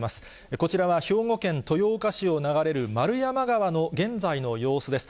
こちらは兵庫県豊岡市を流れる円山川の現在の様子です。